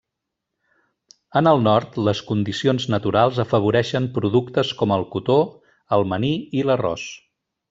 En el nord, les condicions naturals afavoreixen productes com el cotó, el maní i l'arròs.